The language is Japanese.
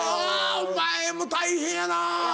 お前も大変やな。